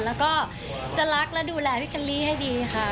แล้วก็จะรักและดูแลพี่เคลลี่ให้ดีค่ะ